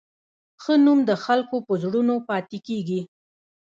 ښه نوم د خلکو په زړونو پاتې کېږي.